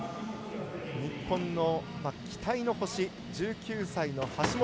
日本の期待の星、１９歳の橋本。